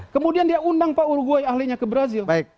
kemudian dia undang pak uruguay ahlinya ke brazil